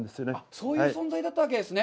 そういう存在だったわけですね。